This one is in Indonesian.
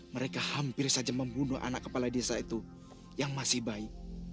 mereka hampir saja membunuh anak kepala desa itu yang masih baik